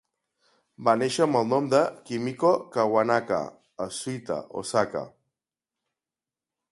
Va néixer amb el nom de Kimiko Kawanaka a Suita, Osaka.